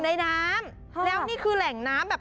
บังพุธรั้งแต่ด้วยนะคาย